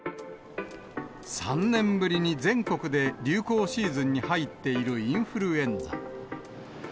３年ぶりに全国で流行シーズンに入っているインフルエンザ。